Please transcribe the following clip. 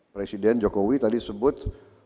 presiden jokowi tadi sebut